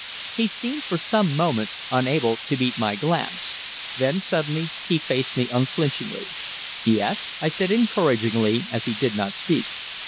He seemed, for some moments, unable to meet my glance. Then suddenly he faced me unflinchingly. "Yes?" I said encouragingly, as he did not speak.